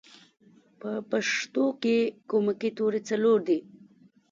په پښتو کې کومکی توری څلور دی